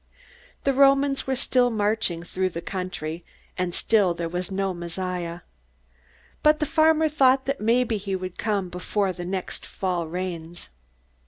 The Romans were still marching through the country, and still there was no Messiah. But the farmer thought that maybe he would come before the next fall rains.